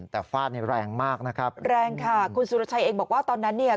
แต่ฟาดเนี่ยแรงมากนะครับแรงค่ะคุณสุรชัยเองบอกว่าตอนนั้นเนี่ย